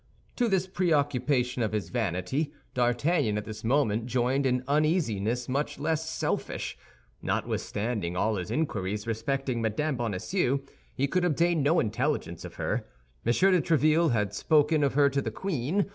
To this preoccupation of his vanity, D'Artagnan at this moment joined an uneasiness much less selfish. Notwithstanding all his inquiries respecting Mme. Bonacieux, he could obtain no intelligence of her. M. de Tréville had spoken of her to the queen.